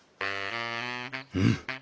うん？